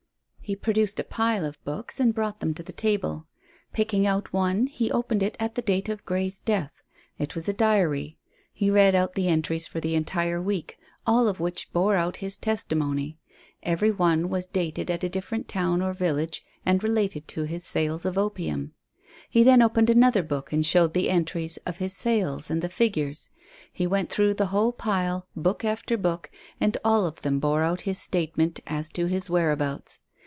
He produced a pile of books and brought them to the table. Picking out one he opened it at the date of Grey's death. It was a diary. He read out the entries for the entire week, all of which bore out his testimony. Every one was dated at a different town or village, and related to his sales of opium. He then opened another book and showed the entries of his sales and the figures. He went through the whole pile, book after book, and all of them bore out his statement as to his whereabouts.